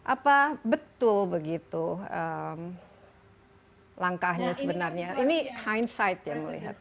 apa betul begitu langkahnya sebenarnya ini hindsight yang melihatkan